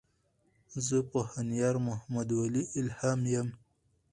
زۀ پوهنيار محمدولي الهام يم.